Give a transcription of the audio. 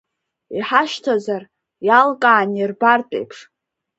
Иҳашьҭазар, иалкаан ирбартә еиԥш.